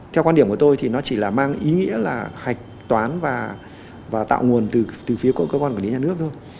theo quan điểm của tôi thì nó chỉ là mang ý nghĩa là hạch toán và tạo nguồn từ phía cơ quan quản lý nhà nước thôi